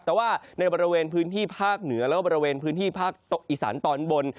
แต่ว่าในบริเวณพื้นที่ภาคเหนือแล้วก็บริเวณพื้นที่ภาคอีสานตอนบน